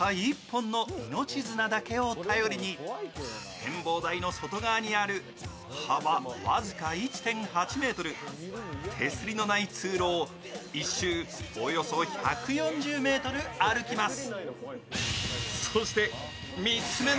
展望台の外側にある幅僅か１．８ｍ、手すりのない通路を１周およそ１４０ｍ歩きます。